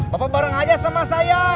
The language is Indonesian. bapak bareng aja sama saya